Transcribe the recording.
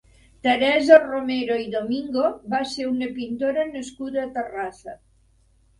Teresa Romero i Domingo va ser una pintora nascuda a Terrassa.